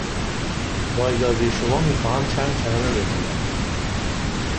با اجازه شما، می خواهم چند کلمه بگویم.